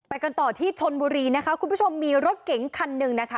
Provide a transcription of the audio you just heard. กันต่อที่ชนบุรีนะคะคุณผู้ชมมีรถเก๋งคันหนึ่งนะคะ